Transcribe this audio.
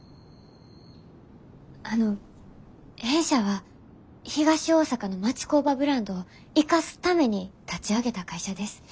あの弊社は東大阪の町工場ブランドを生かすために立ち上げた会社です。